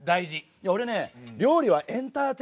いや俺ね料理はエンターテインメントだと思ってんのよ。